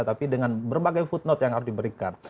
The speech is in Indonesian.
tapi dengan berbagai footnote yang harus diberikan